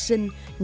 những hy sinh